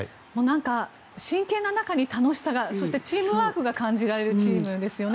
真剣な中に楽しさがそして、チームワークが感じられるチームですよね。